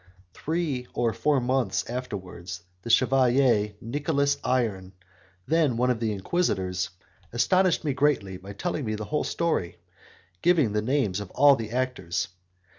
Three or four months afterwards the chevalier Nicolas Iron, then one of the inquisitors, astonished me greatly by telling me the whole story, giving the names of all the actors.